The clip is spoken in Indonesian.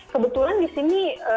kebetulan di sini